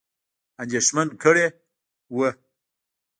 اندېښمن کړي وه.